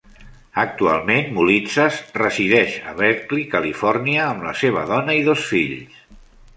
Actualment Moulitsas resideix a Berkeley, Califòrnia, amb la seva dona i dos fills.